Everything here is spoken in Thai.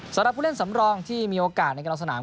สำหรับผู้เล่นสำรองที่มีโอกาสในการลงสนาม